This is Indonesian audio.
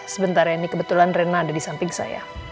sebentar ya ini kebetulan rena ada di samping saya